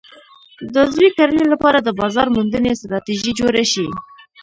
د عضوي کرنې لپاره د بازار موندنې ستراتیژي جوړه شي.